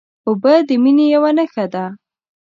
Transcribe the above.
اوبه د مینې یوه نښه ده.